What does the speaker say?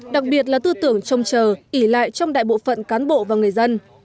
đặc biệt là tư tưởng trông chờ ỉ lại trong đại bộ phận cán bộ và người dân